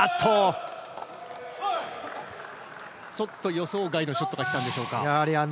予想外のショットがきたんでしょうか。